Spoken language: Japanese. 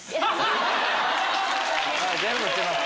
全部捨てます。